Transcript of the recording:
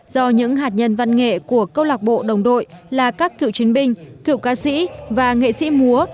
do những hạt nhân văn nghệ của câu lạc bộ đồng đội là các cựu chiến binh cựu ca sĩ và nghệ sĩ múa